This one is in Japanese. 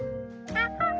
ハッハハ。